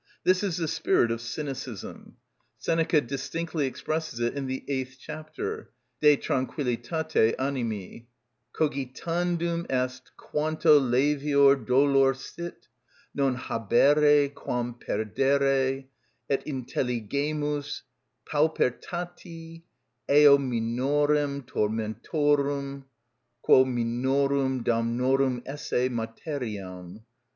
This is the spirit of cynicism. Seneca distinctly expresses it in the eighth chapter, "De Tranquilitate Animi:" "_Cogitandum est, quanto levior dolor sit, non habere, quam perdere: et intelligemus paupertati eo minorem tormentorum, quo minorem damnorum esse materiam.